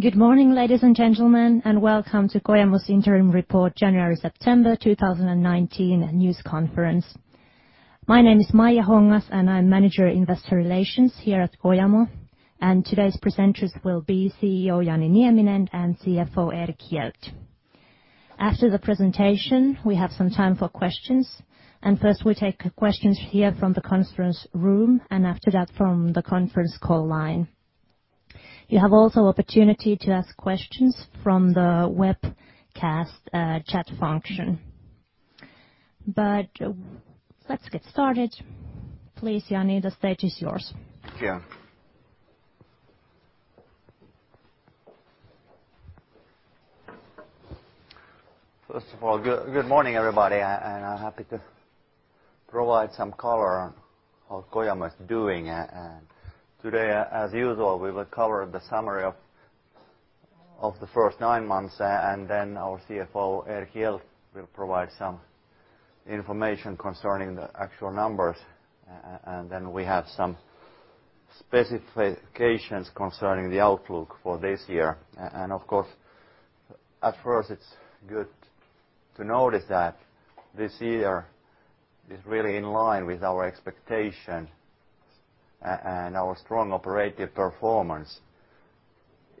Good morning, ladies and gentlemen, and welcome to Kojamo's Interim Report, January-September 2019 News Conference. My name is Maija Hongas, and I'm Manager Investor Relations here at Kojamo. Today's presenters will be CEO Jani Nieminen and CFO Erik Hjelt. After the presentation, we have some time for questions. First, we take questions here from the conference room, and after that, from the conference call line. You have also the opportunity to ask questions from the webcast chat function. Let's get started. Please, Jani, the stage is yours. Thank you. First of all, good morning, everybody. I'm happy to provide some color on how Kojamo is doing. Today, as usual, we will cover the summary of the first nine months, and then our CFO, Erik Hjelt, will provide some information concerning the actual numbers. Then we have some specifications concerning the outlook for this year. Of course, at first, it's good to notice that this year is really in line with our expectations, and our strong operative performance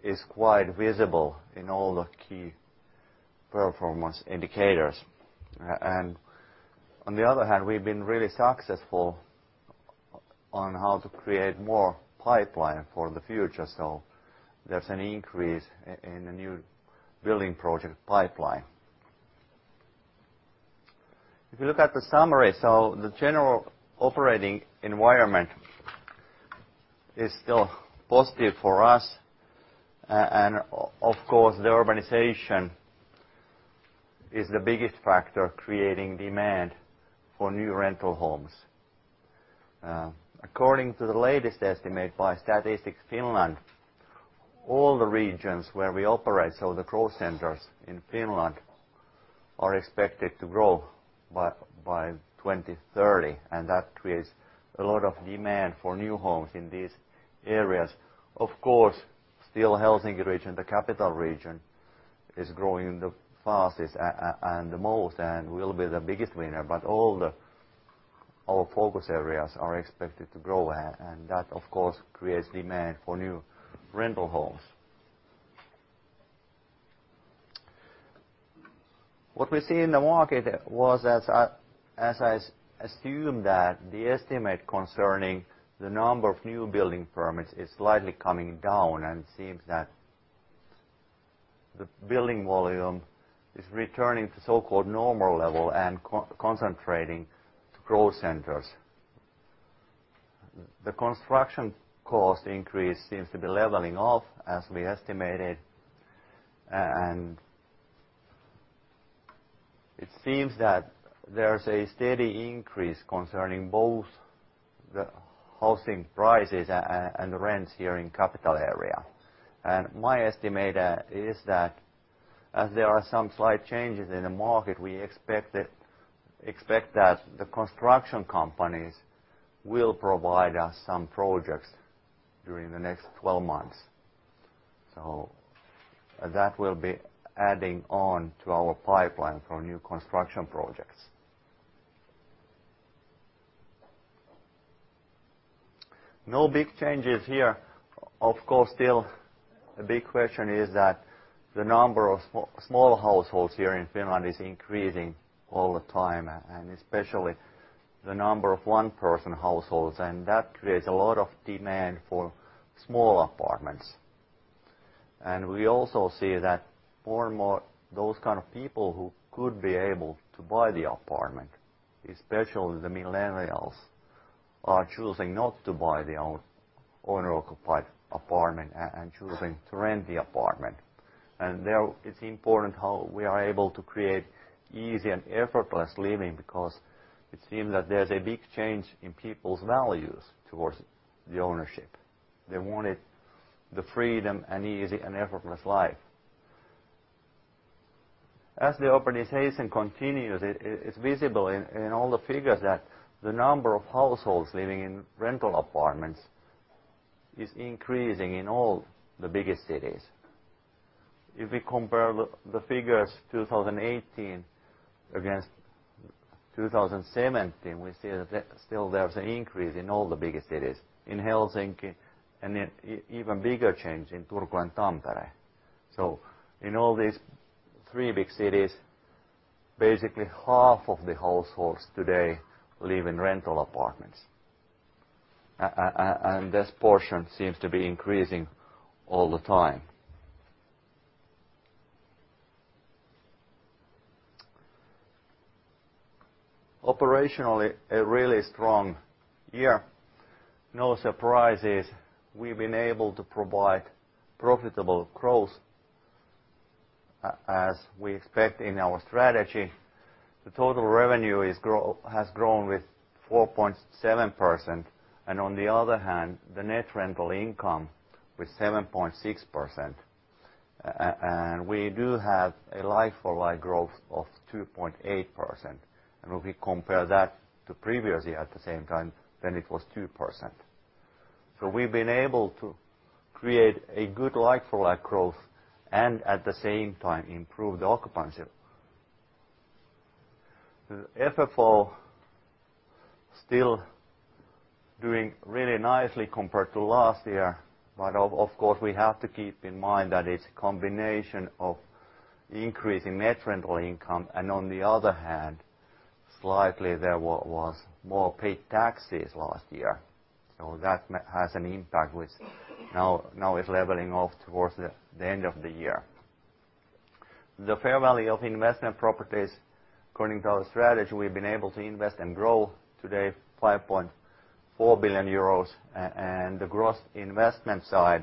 is quite visible in all the key performance indicators. On the other hand, we've been really successful on how to create more pipeline for the future, so there's an increase in the new building project pipeline. If you look at the summary, the general operating environment is still positive for us. Of course, the urbanization is the biggest factor creating demand for new rental homes. According to the latest estimate by Statistics Finland, all the regions where we operate, so the growth centers in Finland, are expected to grow by 2030, and that creates a lot of demand for new homes in these areas. Of course, still, the Helsinki region, the capital region, is growing the fastest and the most, and will be the biggest winner. All our focus areas are expected to grow, and that, of course, creates demand for new rental homes. What we see in the market was, as I assumed, that the estimate concerning the number of new building permits is slightly coming down, and it seems that the building volume is returning to so-called normal level and concentrating to growth centers. The construction cost increase seems to be leveling off, as we estimated, and it seems that there's a steady increase concerning both the housing prices and the rents here in the capital area. My estimate is that, as there are some slight changes in the market, we expect that the construction companies will provide us some projects during the next 12 months. That will be adding on to our pipeline for new construction projects. No big changes here. Of course, still, a big question is that the number of small households here in Finland is increasing all the time, and especially the number of one-person households, and that creates a lot of demand for small apartments. We also see that more and more those kinds of people who could be able to buy the apartment, especially the millennials, are choosing not to buy their own occupied apartment and choosing to rent the apartment. It's important how we are able to create easy and effortless living because it seems that there's a big change in people's values towards the ownership. They wanted the freedom and easy and effortless life. As the urbanization continues, it's visible in all the figures that the number of households living in rental apartments is increasing in all the biggest cities. If we compare the figures 2018 against 2017, we see that still there's an increase in all the biggest cities, in Helsinki, and an even bigger change in Turku and Tampere. In all these three big cities, basically half of the households today live in rental apartments, and this portion seems to be increasing all the time. Operationally, a really strong year. No surprises, we've been able to provide profitable growth, as we expect in our strategy. The total revenue has grown with 4.7%, and on the other hand, the net rental income with 7.6%. We do have a like-for-like growth of 2.8%, and if we compare that to previous year at the same time, then it was 2%. We've been able to create a good like-for-like growth and, at the same time, improve the occupancy. FFO is still doing really nicely compared to last year, but of course, we have to keep in mind that it's a combination of increasing net rental income, and on the other hand, slightly there was more paid taxes last year. That has an impact, which now is leveling off towards the end of the year. The fair value of investment properties, according to our strategy, we've been able to invest and grow today 5.4 billion euros, and the gross investment side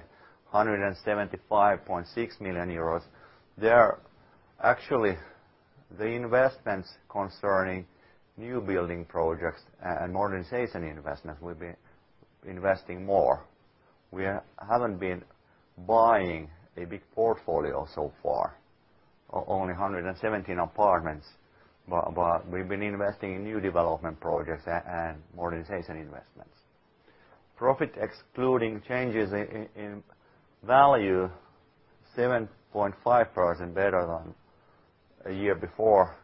175.6 million euros. Actually, the investments concerning new building projects and modernization investments will be investing more. We haven't been buying a big portfolio so far, only 117 apartments, but we've been investing in new development projects and modernization investments. Profit excluding changes in value, 7.5% better than a year before,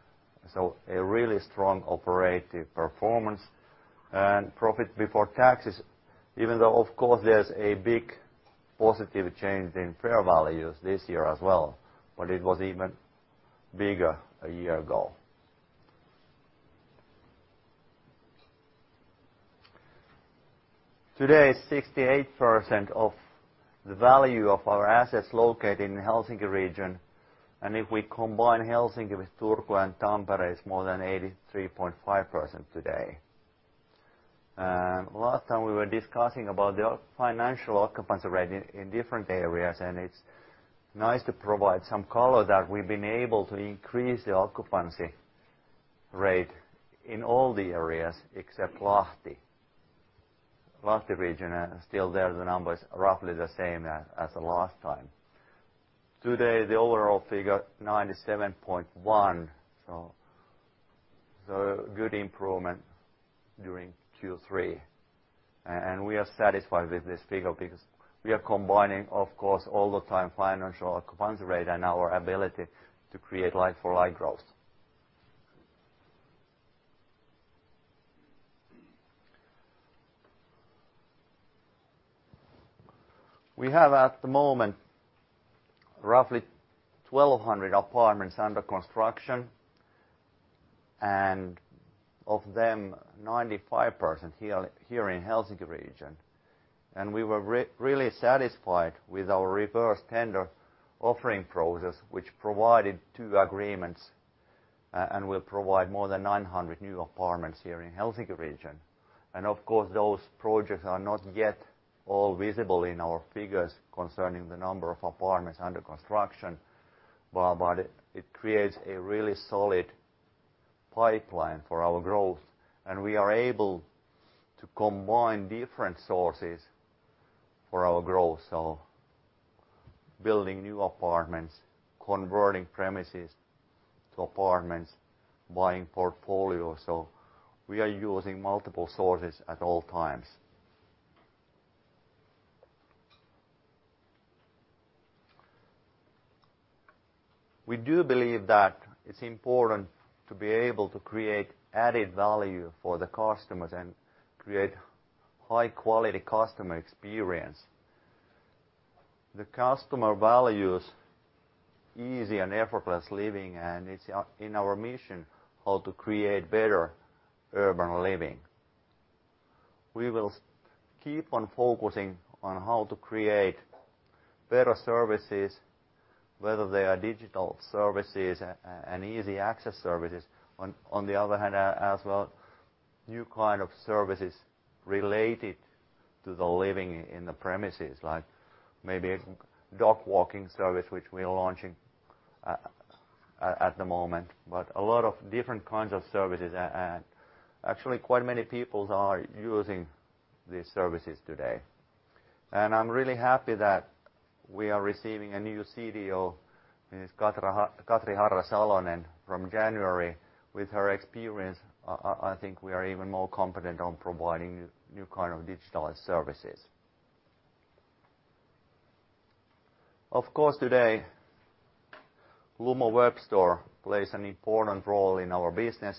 so a really strong operative performance. Profit before taxes, even though, of course, there's a big positive change in fair values this year as well, but it was even bigger a year ago. Today, 68% of the value of our assets located in the Helsinki region, and if we combine Helsinki with Turku and Tampere, it's more than 83.5% today. Last time, we were discussing about the financial occupancy rate in different areas, and it's nice to provide some color that we've been able to increase the occupancy rate in all the areas except Lahti. Lahti region, still there, the number is roughly the same as the last time. Today, the overall figure is 97.1%, so a good improvement during Q3. We are satisfied with this figure because we are combining, of course, all the time financial occupancy rate and our ability to create like-for-like growth. We have, at the moment, roughly 1,200 apartments under construction, and of them, 95% here in the Helsinki region. We were really satisfied with our reverse tender offering process, which provided two agreements and will provide more than 900 new apartments here in the Helsinki region. Of course, those projects are not yet all visible in our figures concerning the number of apartments under construction, but it creates a really solid pipeline for our growth, and we are able to combine different sources for our growth. Building new apartments, converting premises to apartments, buying portfolios, so we are using multiple sources at all times. We do believe that it's important to be able to create added value for the customers and create high-quality customer experience. The customer values easy and effortless living, and it's in our mission how to create better urban living. We will keep on focusing on how to create better services, whether they are digital services and easy access services. On the other hand, as well, new kinds of services related to the living in the premises, like maybe a dog-walking service, which we are launching at the moment. A lot of different kinds of services, and actually, quite many people are using these services today. I'm really happy that we are receiving a new CDO, Ms. Katri Harras-Salonen, from January with her experience. I think we are even more confident on providing new kinds of digitalized services. Of course, today, Lumo Web Store plays an important role in our business.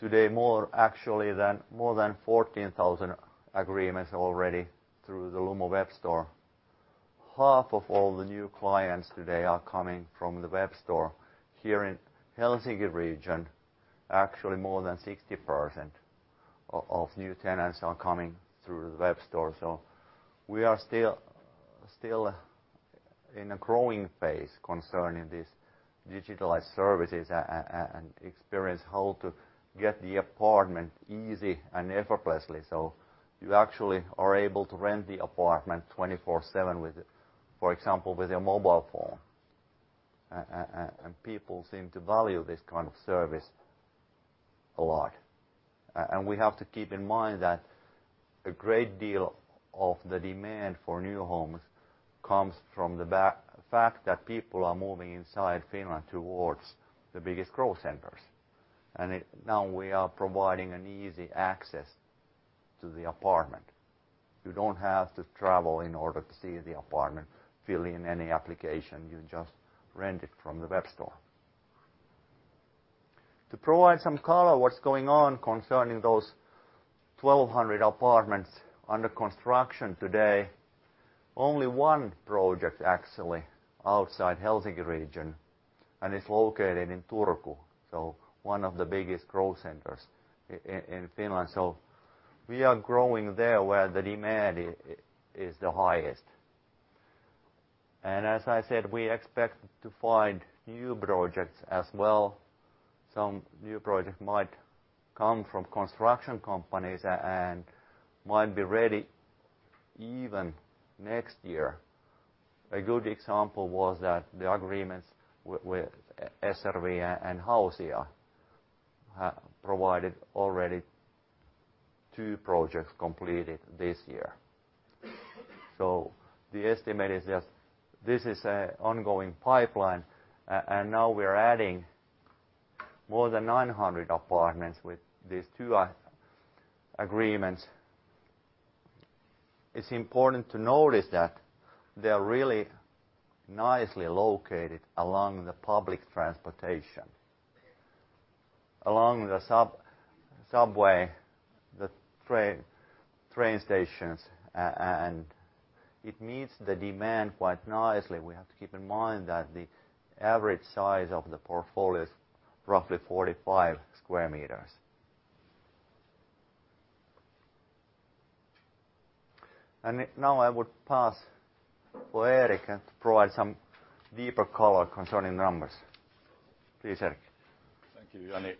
Today, more than 14,000 agreements already through the Lumo Web Store. Half of all the new clients today are coming from the Web Store here in the Helsinki region. Actually, more than 60% of new tenants are coming through the Web Store. We are still in a growing phase concerning these digitalized services and experience how to get the apartment easy and effortlessly, so you actually are able to rent the apartment 24/7, for example, with your mobile phone. People seem to value this kind of service a lot. We have to keep in mind that a great deal of the demand for new homes comes from the fact that people are moving inside Finland towards the biggest growth centers. Now, we are providing an easy access to the apartment. You do not have to travel in order to see the apartment, fill in any application. You just rent it from the Lumo Web Store. To provide some color on what is going on concerning those 1,200 apartments under construction today, only one project actually outside the Helsinki region, and it is located in Turku, one of the biggest growth centers in Finland. We are growing there where the demand is the highest. As I said, we expect to find new projects as well. Some new projects might come from construction companies and might be ready even next year. A good example was that the agreements with SRV and Hausia provided already two projects completed this year. The estimate is that this is an ongoing pipeline, and now we're adding more than 900 apartments with these two agreements. It's important to notice that they're really nicely located along the public transportation, along the subway, the train stations, and it meets the demand quite nicely. We have to keep in mind that the average size of the portfolio is roughly 45 sq m. Now, I would pass for Erik to provide some deeper color concerning numbers. Please, Erik. Thank you, Jani.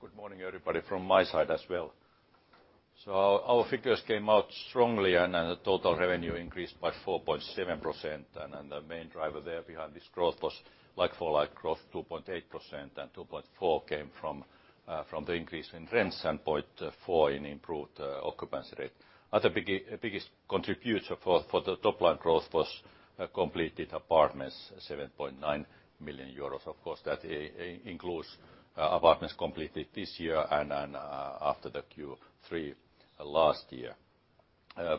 Good morning, everybody, from my side as well. Our figures came out strongly, and the total revenue increased by 4.7%. The main driver there behind this growth was like-for-like growth, 2.8%, and 2.4% came from the increase in rents and 0.4% in improved occupancy rate. Other biggest contributor for the top-line growth was completed apartments, 7.9 million euros. Of course, that includes apartments completed this year and after the Q3 last year.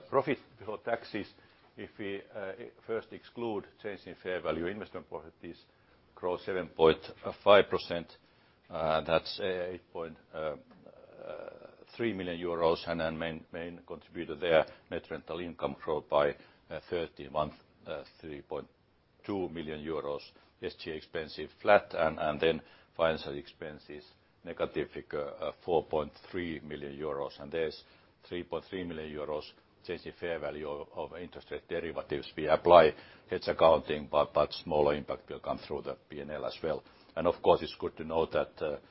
Profit before taxes, if we first exclude change in fair value, investment profit is growth 7.5%. That's 8.3 million euros, and main contributor there, net rental income growth by 31, 3.2 million euros, extra expensive flat, and then financial expenses, negative figure, 4.3 million euros. There's 3.3 million euros change in fair value of interest rate derivatives. We apply hedge accounting, but smaller impact will come through the P&L as well. Of course, it's good to note that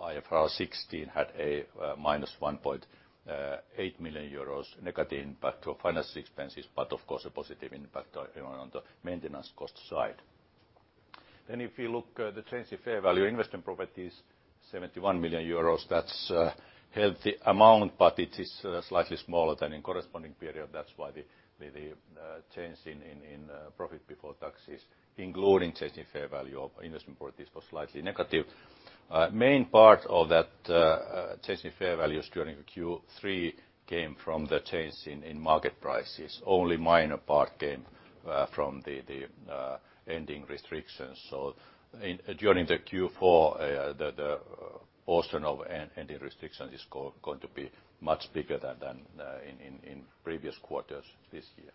IFRS 16 had a minus 1.8 million euros negative impact for financial expenses, but of course, a positive impact on the maintenance cost side. If we look at the change in fair value, investment profit is 71 million euros. That's a healthy amount, but it is slightly smaller than in corresponding period. That's why the change in profit before taxes, including change in fair value of investment profits, was slightly negative. Main part of that change in fair values during Q3 came from the change in market prices. Only a minor part came from the ending restrictions. During the Q4, the portion of ending restrictions is going to be much bigger than in previous quarters this year.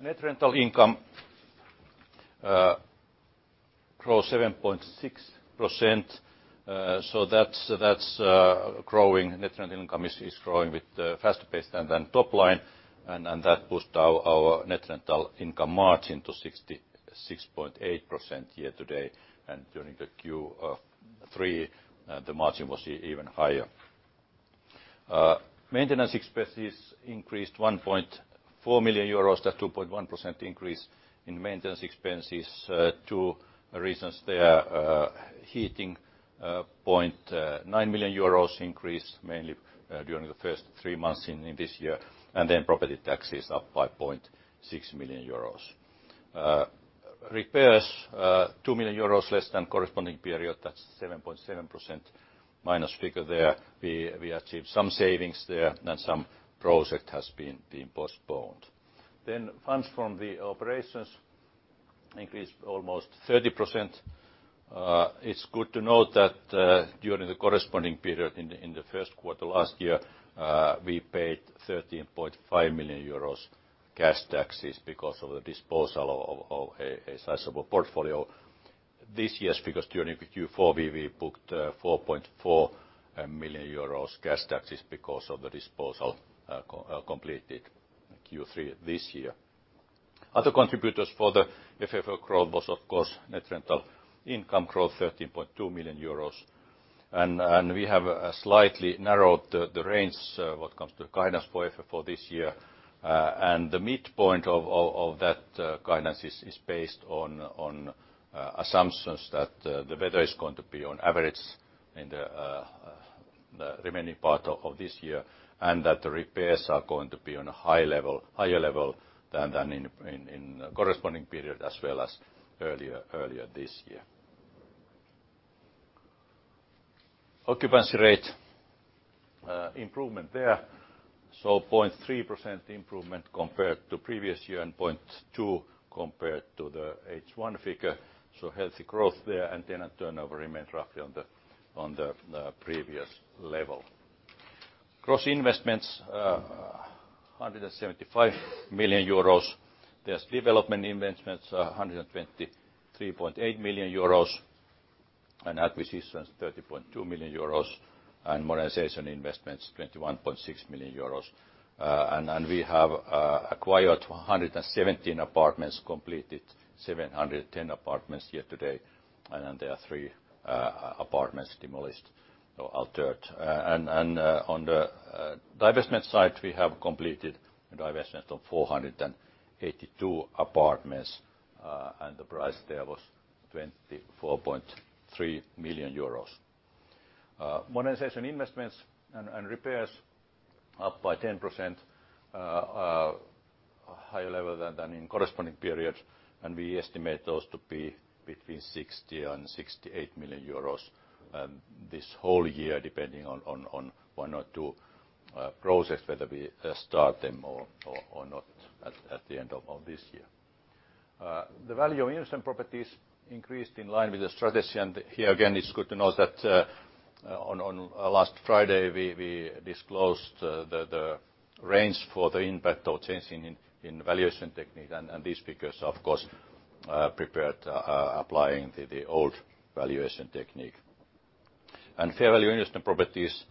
Net rental income grows 7.6%. That's growing. Net rental income is growing with a faster pace than top line, and that pushed our net rental income margin to 66.8% year to date. During the Q3, the margin was even higher. Maintenance expenses increased 1.4 million euros, that's a 2.1% increase in maintenance expenses. Two reasons there, heating 0.9 million euros increase, mainly during the first three months in this year, and then property taxes up by 0.6 million euros. Repairs, 2 million euros less than corresponding period, that's a 7.7% minus figure there. We achieved some savings there, and some projects have been postponed. Funds from operations increased almost 30%. It's good to note that during the corresponding period in the first quarter last year, we paid 13.5 million euros cash taxes because of the disposal of a sizable portfolio. This year's figures during Q4, we booked 4.4 million euros cash taxes because of the disposal completed Q3 this year. Other contributors for the FFO growth was, of course, net rental income growth, 13.2 million euros. We have slightly narrowed the range what comes to guidance for FFO this year. The midpoint of that guidance is based on assumptions that the weather is going to be on average in the remaining part of this year and that the repairs are going to be on a higher level than in the corresponding period as well as earlier this year. Occupancy rate improvement there, 0.3% improvement compared to previous year and 0.2% compared to the H1 figure. Healthy growth there, and tenant turnover remained roughly on the previous level. Gross investments, 175 million euros. There's development investments, 123.8 million euros, and acquisitions, 30.2 million euros, and modernization investments, 21.6 million euros. We have acquired 117 apartments, completed 710 apartments year to date, and there are three apartments demolished or altered. On the divestment side, we have completed divestment of 482 apartments, and the price there was 24.3 million euros. Modernization investments and repairs up by 10%, higher level than in corresponding period, and we estimate those to be between 60 million-68 million euros this whole year, depending on one or two projects, whether we start them or not at the end of this year. The value of investment properties increased in line with the strategy. Here, again, it's good to note that on last Friday, we disclosed the range for the impact of changing in valuation technique, and these figures, of course, prepared applying the old valuation technique. Fair value investment properties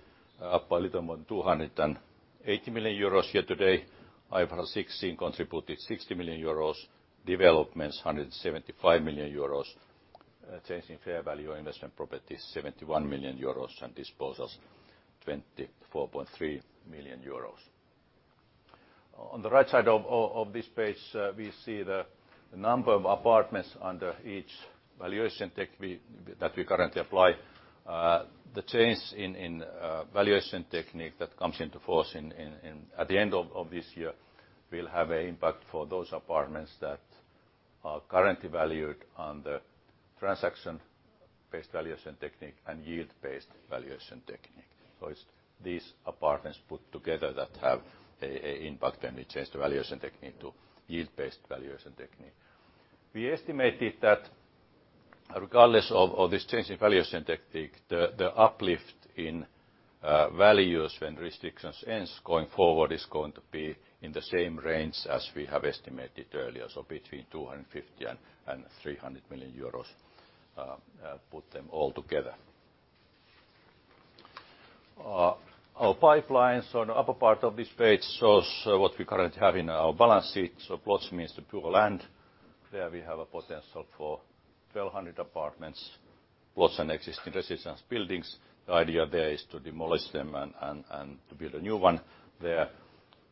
up by a little more than 280 million euros year to date. IFRS 16 contributed 60 million euros, developments 175 million euros, changing fair value of investment properties 71 million euros, and disposals 24.3 million euros. On the right side of this page, we see the number of apartments under each valuation technique that we currently apply. The change in valuation technique that comes into force at the end of this year will have an impact for those apartments that are currently valued on the transaction-based valuation technique and yield-based valuation technique. These apartments put together that have an impact when we change the valuation technique to yield-based valuation technique. We estimated that regardless of this change in valuation technique, the uplift in values when restrictions ends going forward is going to be in the same range as we have estimated earlier, between 250 million and 300 million euros, put them all together. Our pipelines on the upper part of this page shows what we currently have in our balance sheet. Plots means the poor land. There we have a potential for 1,200 apartments, plots and existing residential buildings. The idea there is to demolish them and to build a new one. There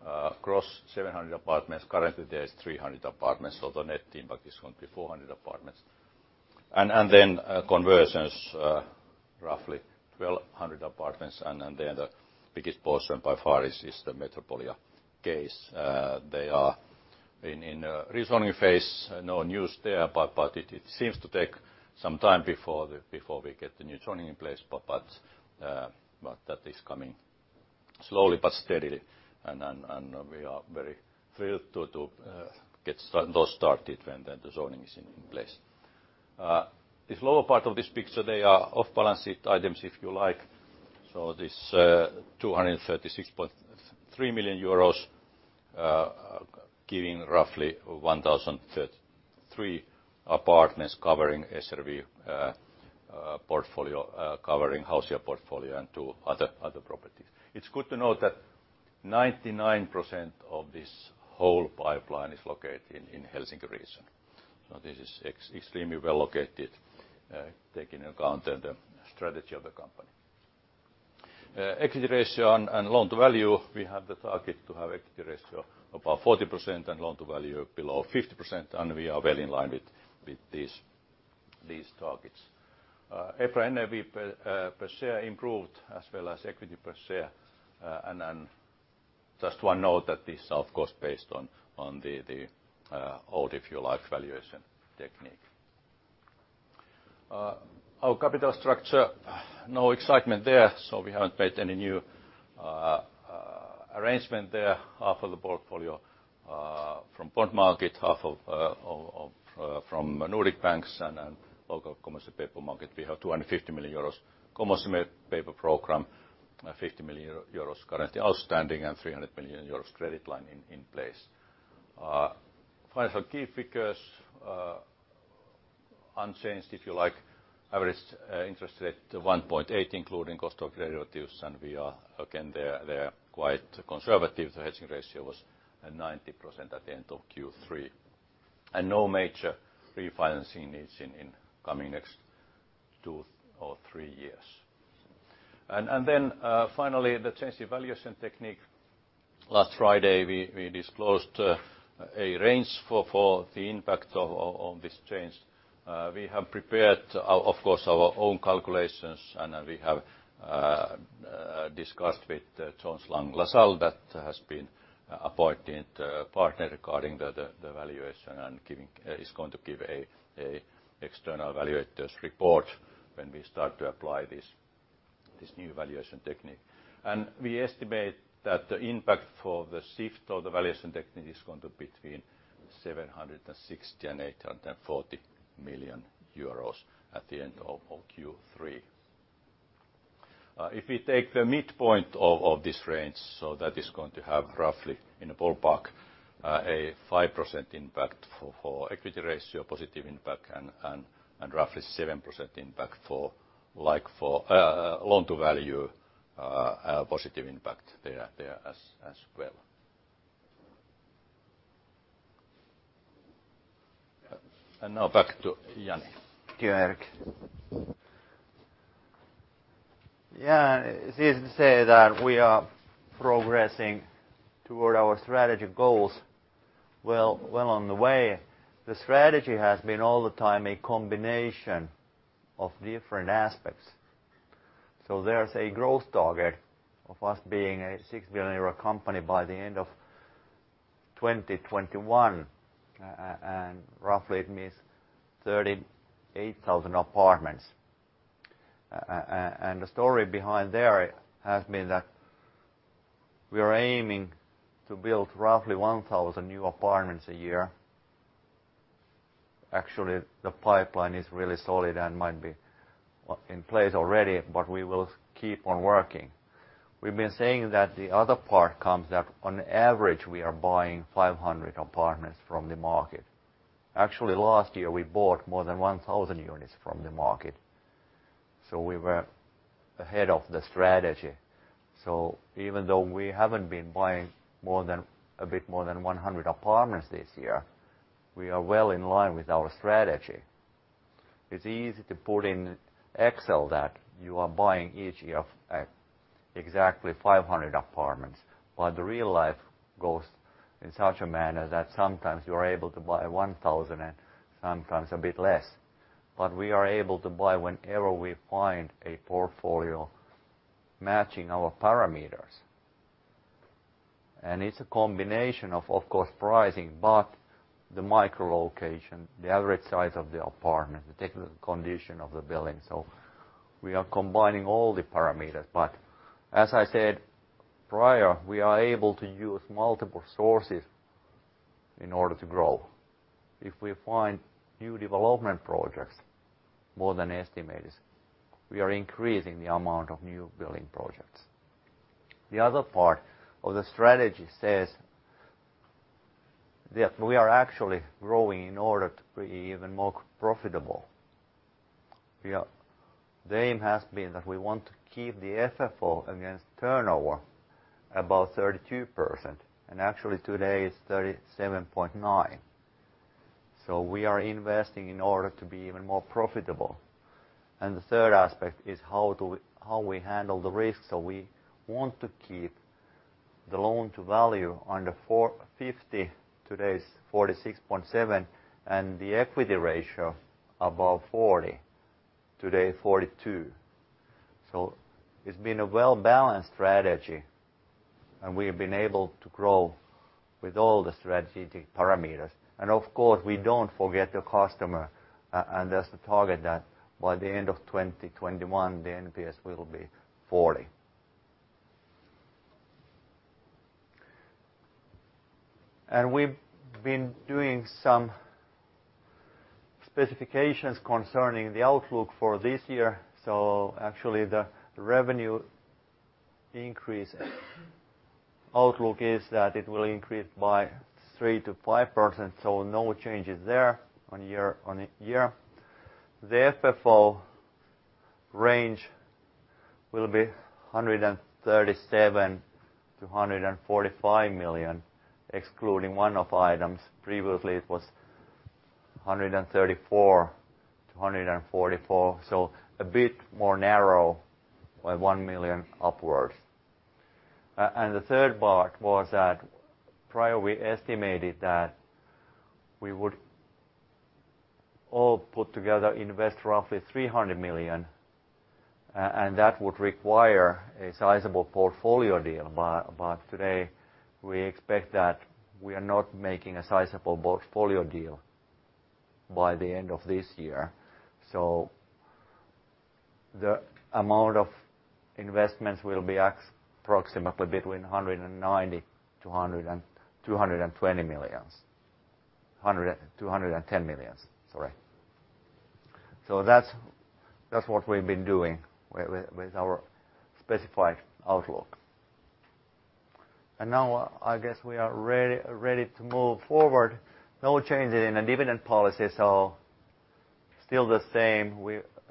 across 700 apartments, currently there's 300 apartments, so the net impact is going to be 400 apartments. Then conversions, roughly 1,200 apartments, and then the biggest portion by far is the Metropolia case. They are in the rezoning phase. No news there, but it seems to take some time before we get the new zoning in place, but that is coming slowly but steadily, and we are very thrilled to get those started when the zoning is in place. The lower part of this picture, they are off-balance sheet items if you like. This 236.3 million euros giving roughly 1,033 apartments covering SRV portfolio, covering Hausia portfolio, and two other properties. It's good to note that 99% of this whole pipeline is located in the Helsinki region. This is extremely well located, taking into account the strategy of the company. Equity ratio and loan to value, we have the target to have equity ratio of about 40% and loan to value below 50%, and we are well in line with these targets. EPRA NAV per share improved as well as equity per share. Just one note that this is, of course, based on the old, if you like, valuation technique. Our capital structure, no excitement there, so we haven't made any new arrangement there. Half of the portfolio from bond market, half from Nordic banks and local commercial paper market. We have 250 million euros commercial paper program, 50 million euros currently outstanding, and 300 million euros credit line in place. Financial key figures, unchanged if you like, average interest rate 1.8%, including cost of derivatives, and we are again there quite conservative. The hedging ratio was 90% at the end of Q3. No major refinancing needs in coming next two or three years. Finally, the change in valuation technique. Last Friday, we disclosed a range for the impact of this change. We have prepared, of course, our own calculations, and we have discussed with Jones Lang LaSalle that has been appointed partner regarding the valuation and is going to give an external valuator's report when we start to apply this new valuation technique. We estimate that the impact for the shift of the valuation technique is going to be between 760 million and 840 million euros at the end of Q3. If we take the midpoint of this range, that is going to have roughly in the ballpark a 5% impact for equity ratio, positive impact, and roughly 7% impact for loan to value, positive impact there as well. Now back to Jani. Thank you, Erik. Yeah, it's easy to say that we are progressing toward our strategy goals well on the way. The strategy has been all the time a combination of different aspects. There's a growth target of us being a 6 billion euro company by the end of 2021, and roughly it means 38,000 apartments. The story behind there has been that we are aiming to build roughly 1,000 new apartments a year. Actually, the pipeline is really solid and might be in place already, but we will keep on working. We've been saying that the other part comes that on average we are buying 500 apartments from the market. Actually, last year we bought more than 1,000 units from the market. We were ahead of the strategy. Even though we haven't been buying a bit more than 100 apartments this year, we are well in line with our strategy. It's easy to put in Excel that you are buying each year exactly 500 apartments, but real life goes in such a manner that sometimes you are able to buy 1,000 and sometimes a bit less. We are able to buy whenever we find a portfolio matching our parameters. It's a combination of, of course, pricing, but the micro-location, the average size of the apartment, the technical condition of the building. We are combining all the parameters. As I said prior, we are able to use multiple sources in order to grow. If we find new development projects more than estimated, we are increasing the amount of new building projects. The other part of the strategy says that we are actually growing in order to be even more profitable. The aim has been that we want to keep the FFO against turnover above 32%, and actually today it's 37.9%. We are investing in order to be even more profitable. The third aspect is how we handle the risk. We want to keep the loan to value under 50%, today it's 46.7%, and the equity ratio above 40%, today 42%. It's been a well-balanced strategy, and we've been able to grow with all the strategic parameters. Of course, we do not forget the customer, and there is a target that by the end of 2021, the NPS will be 40. We have been doing some specifications concerning the outlook for this year. Actually, the revenue increase outlook is that it will increase by 3%-5%, so no changes there on year. The FFO range will be 137 million-145 million, excluding one-off items. Previously, it was 134 million-144 million, so a bit more narrow by 1 million upwards. The third part was that prior we estimated that we would all put together invest roughly 300 million, and that would require a sizable portfolio deal. Today, we expect that we are not making a sizable portfolio deal by the end of this year. The amount of investments will be approximately between 190 million and 210 million. That is what we have been doing with our specified outlook. Now, I guess we are ready to move forward. No changes in the dividend policy, so still the same.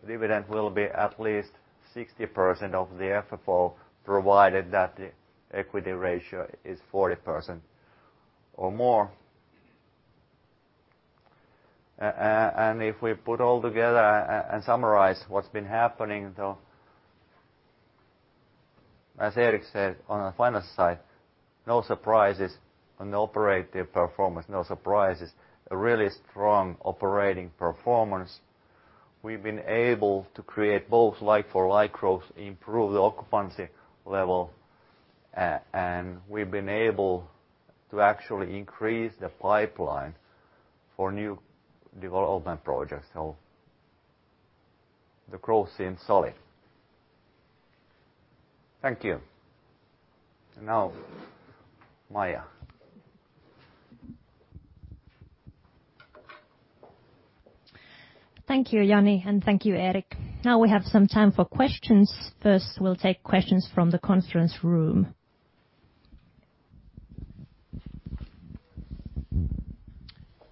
Dividend will be at least 60% of the FFO, provided that the equity ratio is 40% or more. If we put all together and summarize what's been happening, as Erik said on the finance side, no surprises on the operative performance, no surprises. A really strong operating performance. We've been able to create both like-for-like growth, improve the occupancy level, and we've been able to actually increase the pipeline for new development projects. The growth seems solid. Thank you. Now, Maija. Thank you, Jani, and thank you, Erik. Now we have some time for questions. First, we'll take questions from the conference room.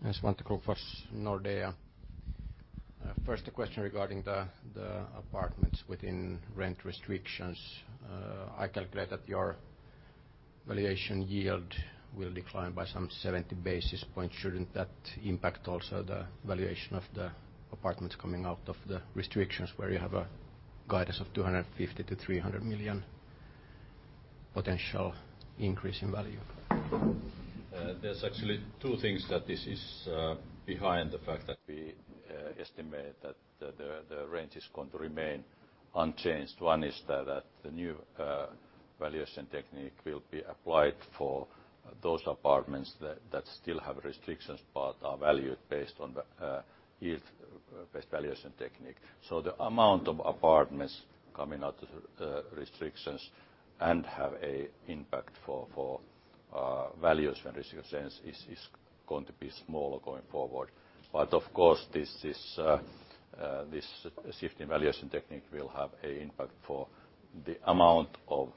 Ms. Wantikropos, Nordea. First, a question regarding the apartments within rent restrictions. I calculate that your valuation yield will decline by some 70 basis points. Shouldn't that impact also the valuation of the apartments coming out of the restrictions where you have a guidance of 250 million-300 million potential increase in value? There's actually two things that this is behind the fact that we estimate that the range is going to remain unchanged. One is that the new valuation technique will be applied for those apartments that still have restrictions but are valued based on yield-based valuation technique. The amount of apartments coming out of restrictions and have an impact for valuation restrictions is going to be smaller going forward. Of course, this shift in valuation technique will have an impact for the amount of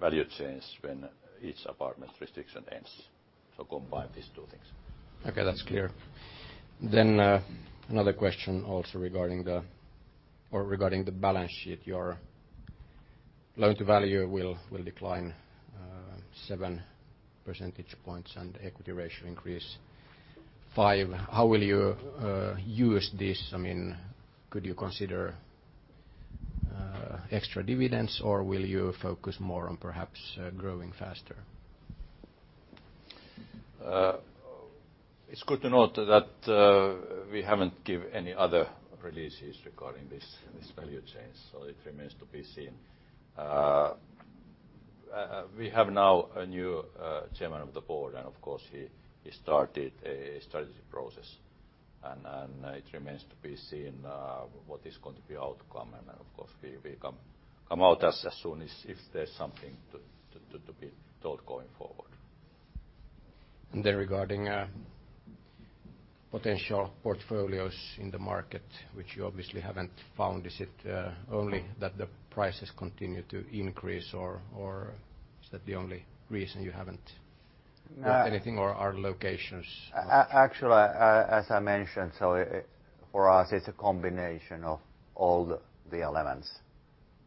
value change when each apartment restriction ends. Combine these two things. Okay, that's clear. Another question also regarding the balance sheet. Your loan to value will decline 7 percentage points and equity ratio increase 5. How will you use this? Could you consider extra dividends, or will you focus more on perhaps growing faster? It's good to note that we haven't given any other releases regarding this value change, so it remains to be seen. We have now a new Chairman of the Board, and of course, he started a strategy process. It remains to be seen what is going to be the outcome, and of course, we come out as soon as if there's something to be told going forward. Regarding potential portfolios in the market, which you obviously haven't found, is it only that the prices continue to increase, or is that the only reason you haven't got anything, or are the locations? Actually, as I mentioned, for us, it's a combination of all the elements.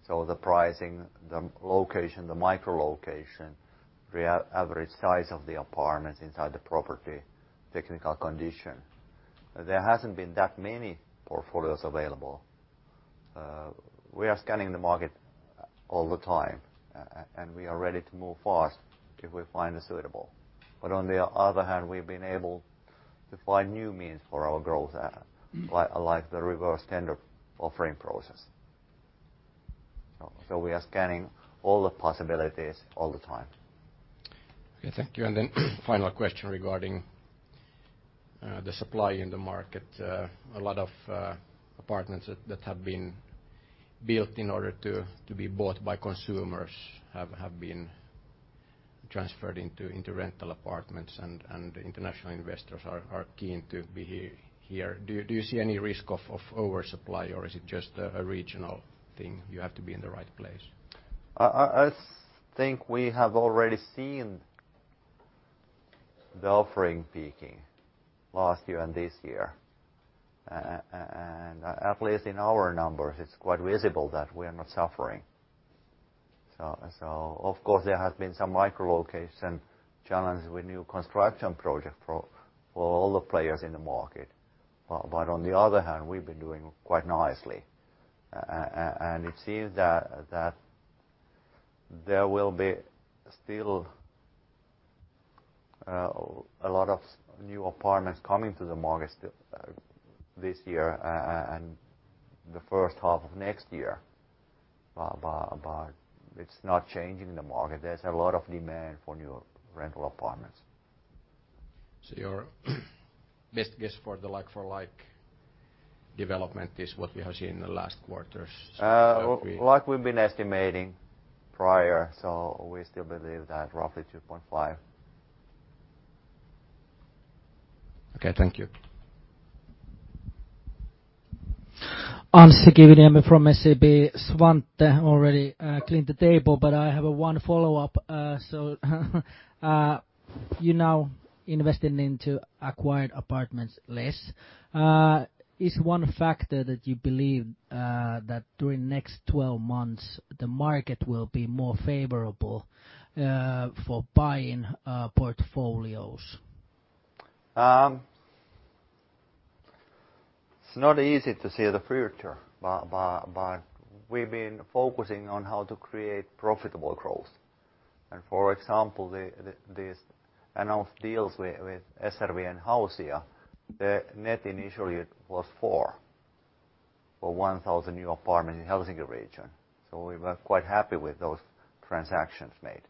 The pricing, the location, the micro-location, the average size of the apartments inside the property, technical condition. There have not been that many portfolios available. We are scanning the market all the time, and we are ready to move fast if we find it suitable. On the other hand, we have been able to find new means for our growth, like the reverse tender offering process. We are scanning all the possibilities all the time. Thank you. Final question regarding the supply in the market. A lot of apartments that have been built in order to be bought by consumers have been transferred into rental apartments, and international investors are keen to be here. Do you see any risk of oversupply, or is it just a regional thing? You have to be in the right place. I think we have already seen the offering peaking last year and this year. At least in our numbers, it's quite visible that we are not suffering. Of course, there has been some micro-location challenges with new construction projects for all the players in the market. On the other hand, we've been doing quite nicely. It seems that there will be still a lot of new apartments coming to the market this year and the first half of next year, but it's not changing the market. There's a lot of demand for new rental apartments. Your best guess for the like-for-like development is what we have seen in the last quarter? Like we've been estimating prior, we still believe that roughly 2.5. Okay, thank you. I'm Siggi Niemi from SEB. I already cleaned the table, but I have one follow-up. You're now investing into acquired apartments less. Is one factor that you believe that during the next 12 months, the market will be more favorable for buying portfolios? It's not easy to see the future, but we've been focusing on how to create profitable growth. For example, these announced deals with SRV and Hausia, the net initially was four for 1,000 new apartments in the Helsinki region. We were quite happy with those transactions made.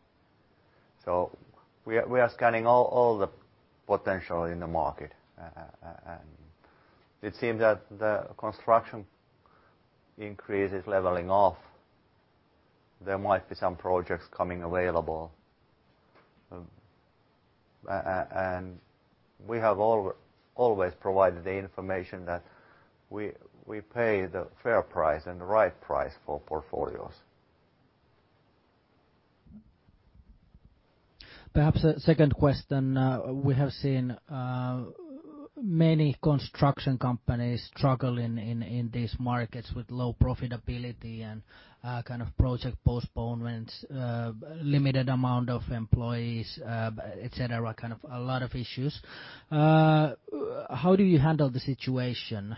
We are scanning all the potential in the market. It seems that the construction increase is leveling off. There might be some projects coming available. We have always provided the information that we pay the fair price and the right price for portfolios. Perhaps a second question. We have seen many construction companies struggling in these markets with low profitability and project postponements, limited amount of employees, etc. A lot of issues. How do you handle the situation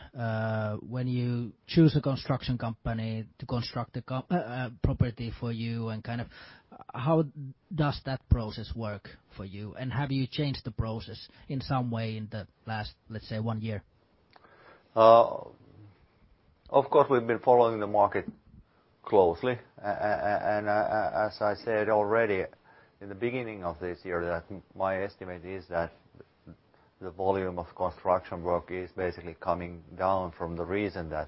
when you choose a construction company to construct a property for you? How does that process work for you? Have you changed the process in some way in the last, let's say, one year? Of course, we've been following the market closely. As I said already in the beginning of this year, my estimate is that the volume of construction work is basically coming down from the reason that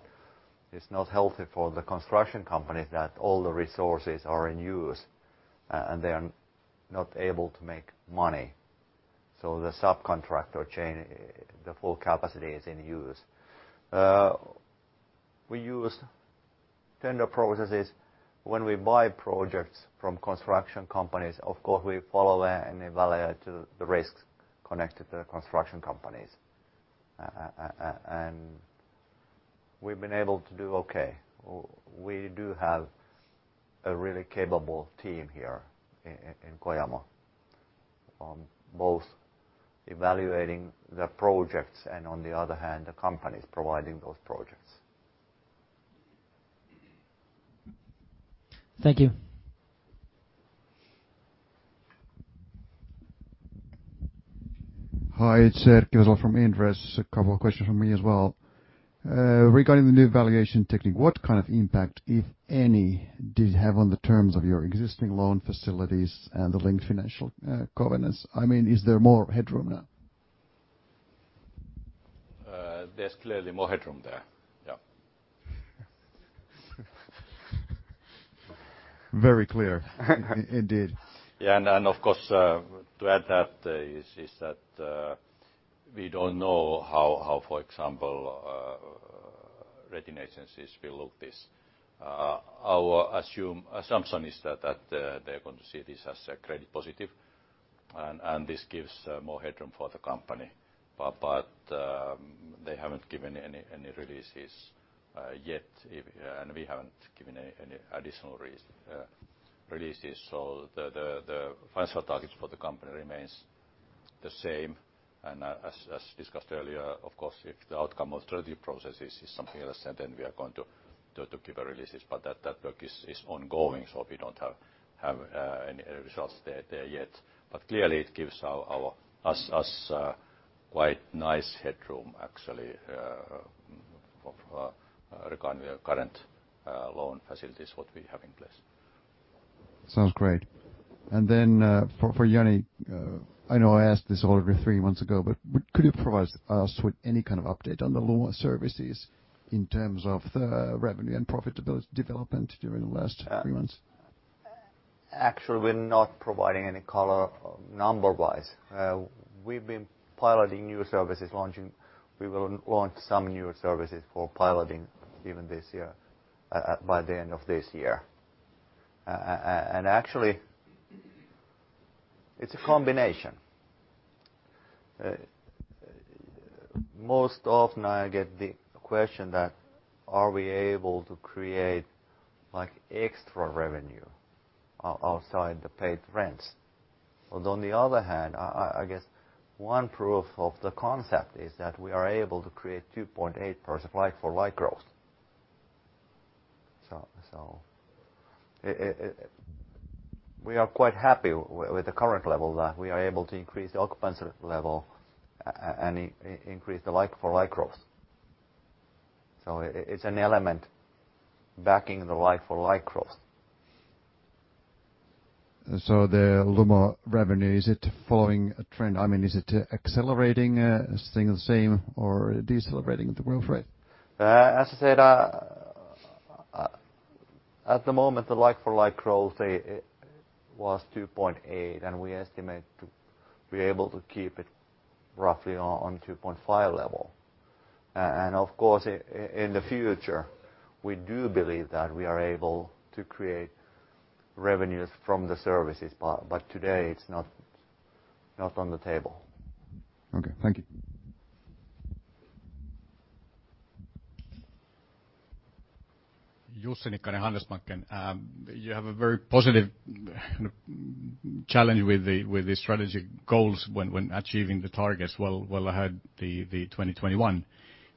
it's not healthy for the construction companies that all the resources are in use and they are not able to make money. The subcontractor chain, the full capacity is in use. We use tender processes when we buy projects from construction companies. Of course, we follow and evaluate the risks connected to the construction companies. We've been able to do okay. We do have a really capable team here in Kojamo on both evaluating the projects and, on the other hand, the companies providing those projects. Thank you. Hi, it's Erik Hjelt from Intres. A couple of questions from me as well. Regarding the new valuation technique, what kind of impact, if any, did it have on the terms of your existing loan facilities and the linked financial covenants? Is there more headroom now? There's clearly more headroom there. Very clear, indeed. Of course, to add that is that we don't know how, for example, rating agencies will look at this. Our assumption is that they're going to see this as a credit positive, and this gives more headroom for the company. They haven't given any releases yet, and we haven't given any additional releases. The financial targets for the company remain the same. As discussed earlier, of course, if the outcome of the strategy process is something else, we are going to give releases. That work is ongoing, so we do not have any results there yet. Clearly, it gives us quite nice headroom actually regarding the current loan facilities we have in place. Sounds great. For Jani, I know I asked this already three months ago, but could you provide us with any kind of update on the loan services in terms of the revenue and profitability development during the last three months? Actually, we are not providing any color number-wise. We have been piloting new services launching. We will launch some new services for piloting even this year, by the end of this year. Actually, it is a combination. Most often, I get the question that, are we able to create extra revenue outside the paid rents? On the other hand, I guess one proof of the concept is that we are able to create 2.8% like-for-like growth. We are quite happy with the current level that we are able to increase the occupancy level and increase the like-for-like growth. It's an element backing the like-for-like growth. The Lumo revenue, is it following a trend? Is it accelerating, staying the same, or decelerating at the growth rate? As I said, at the moment, the like-for-like growth was 2.8%, and we estimate to be able to keep it roughly on 2.5% level. Of course, in the future, we do believe that we are able to create revenues from the services, but today it's not on the table. Okay, thank you. Jussi Nikkanen, Handelsbanken. You have a very positive challenge with the strategy goals when achieving the targets well ahead the 2021,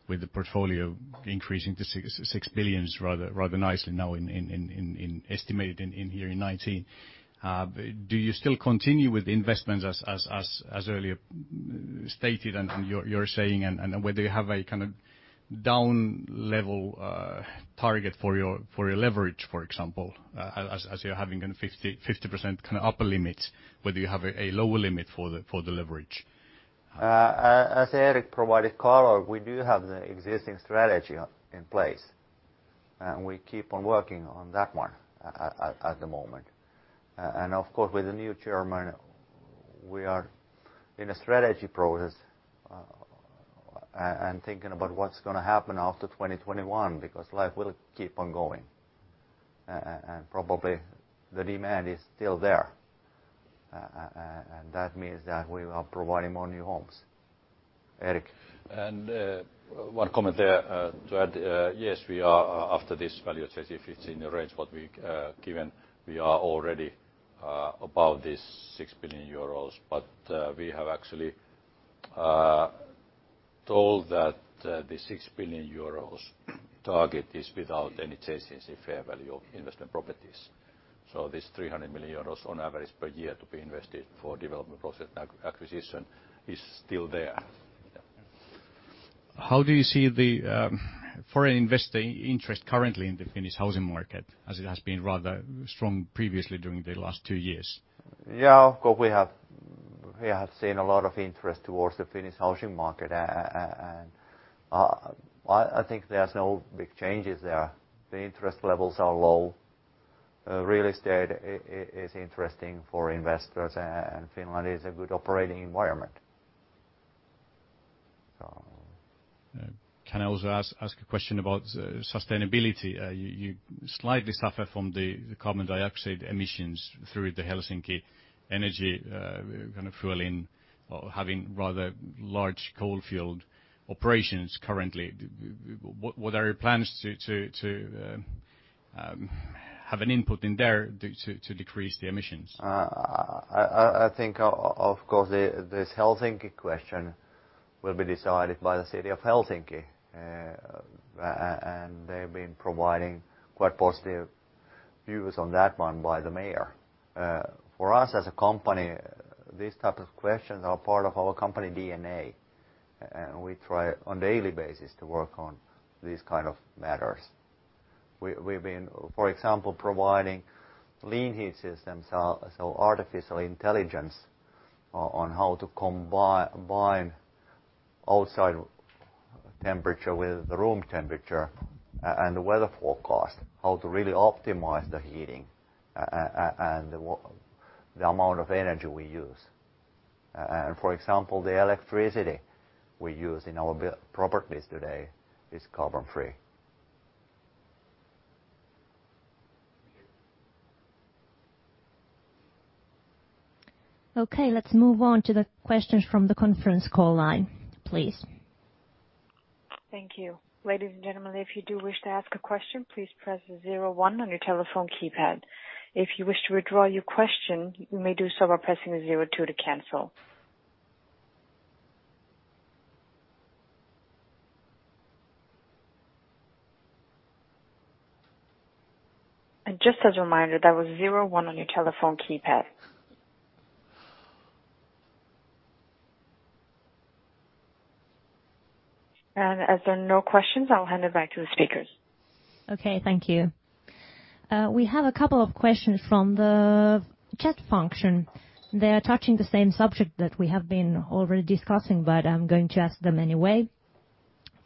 with the portfolio increasing to 6 billion rather nicely now in estimated in here in 2019. Do you still continue with investments as earlier stated and you're saying, and whether you have a down-level target for your leverage, for example, as you're having 50% upper limit, whether you have a lower limit for the leverage? As Erik provided color, we do have the existing strategy in place, and we keep on working on that one at the moment. Of course, with the new chairman, we are in a strategy process and thinking about what's going to happen after 2021 because life will keep on going. Probably the demand is still there, and that means that we are providing more new homes. Erik. One comment there to add. Yes, we are, after this value strategy, if it's in the range what we're given, we are already above this 6 billion euros. But we have actually told that the 6 billion euros target is without any change in the fair value of investment properties. This 300 million euros on average per year to be invested for development process acquisition is still there. How do you see the foreign investor interest currently in the Finnish housing market, as it has been rather strong previously during the last two years? Yeah, of course, we have seen a lot of interest towards the Finnish housing market. I think there's no big changes there. The interest levels are low. Real estate is interesting for investors, and Finland is a good operating environment. Can I also ask a question about sustainability? You slightly suffer from the carbon dioxide emissions through the Helsinki energy fueling, having rather large coal-fueled operations currently. What are your plans to have an input in there to decrease the emissions? I think, of course, this Helsinki question will be decided by the city of Helsinki. They've been providing quite positive views on that one by the mayor. For us as a company, these types of questions are part of our company DNA, and we try on a daily basis to work on these kinds of matters. We've been, for example, providing lean heat systems, so artificial intelligence on how to combine outside temperature with the room temperature and the weather forecast, how to really optimize the heating and the amount of energy we use. For example, the electricity we use in our properties today is carbon-free. Okay, let's move on to the questions from the conference call line, please. Thank you. Ladies and gentlemen, if you do wish to ask a question, please press 01 on your telephone keypad. If you wish to withdraw your question, you may do so by pressing 02 to cancel. Just as a reminder, that was 01 on your telephone keypad. As there are no questions, I'll hand it back to the speakers. Okay, thank you. We have a couple of questions from the chat function. They are touching the same subject that we have been already discussing, but I'm going to ask them anyway.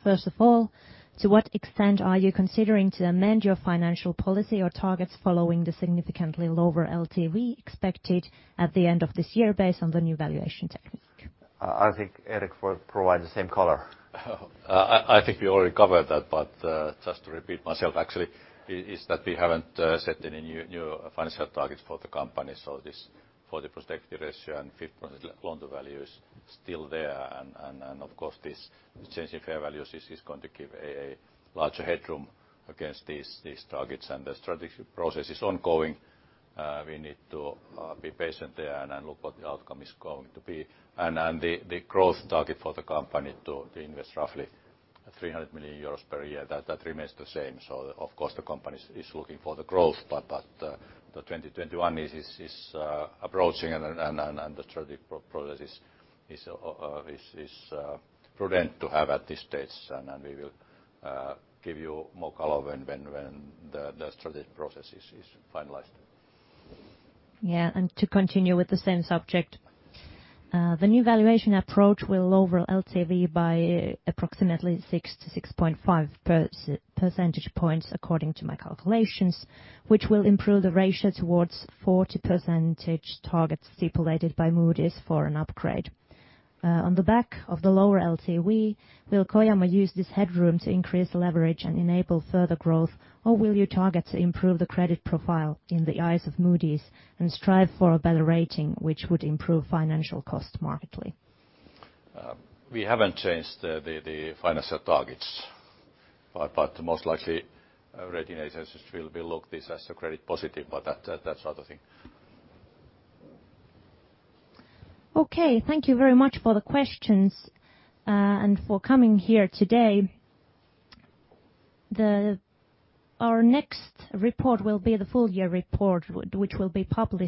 First of all, to what extent are you considering to amend your financial policy or targets following the significantly lower LTV expected at the end of this year based on the new valuation technique? I think Erik provided the same color. I think we already covered that, but just to repeat myself, actually, is that we have not set any new financial targets for the company. This 40% equity ratio and 50% loan to value is still there. Of course, this change in fair values is going to give a larger headroom against these targets, and the strategy process is ongoing. We need to be patient there and look what the outcome is going to be. The growth target for the company to invest roughly 300 million euros per year, that remains the same. Of course, the company is looking for the growth, but the 2021 is approaching, and the strategy process is prudent to have at this stage. We will give you more color when the strategy process is finalized. Yeah, and to continue with the same subject, the new valuation approach will lower LTV by approximately 6-6.5 percentage points according to my calculations, which will improve the ratio towards 40% targets stipulated by Moody's for an upgrade. On the back of the lower LTV, will Kojamo use this headroom to increase leverage and enable further growth, or will your targets improve the credit profile in the eyes of Moody's and strive for a better rating, which would improve financial costs markedly? We have not changed the financial targets, but most likely rating agencies will look at this as a credit positive, but that is another thing. Okay, thank you very much for the questions and for coming here today. Our next report will be the full year report, which will be published.